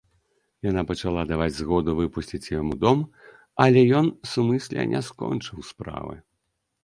Яна пачала даваць згоду выпусціць яму дом, але ён сумысля не скончыў справы.